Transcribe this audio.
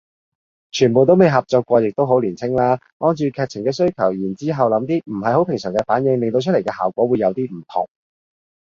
全部都未合作過亦都好年青啦，按住劇情嘅需求然之後諗啲唔係好平常嘅反應令到出嚟嘅效果會有啲唔同